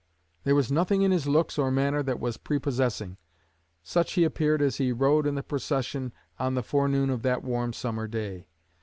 There was nothing in his looks or manner that was prepossessing. Such he appeared as he rode in the procession on the forenoon of that warm summer day.